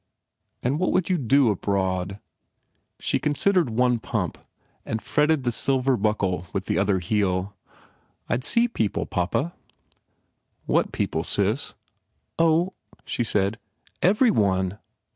"And what would you do abroad?" She considered one pump and fretted the silver 86 PENALTIES buckle with the other heel. "I d see people, papa." "What people, sis?" "Oh," she said, "every one